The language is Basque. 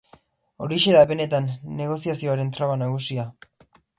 Horixe da benetan negoziazioaren traba nagusia.